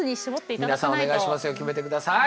皆さんお願いしますよ決めて下さい。